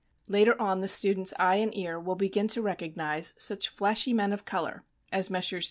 Later on the student's eye and ear will begin to recognize such flashy men of color as Messrs.